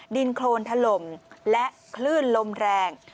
ดินโครนถล่มและคลื่นลมแรง